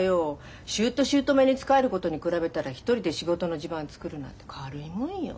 しゅうとしゅうとめに仕えることに比べたら一人で仕事の地盤作るなんて軽いもんよ。